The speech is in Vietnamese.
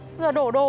bây giờ đổ đồ